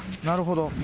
なるほど。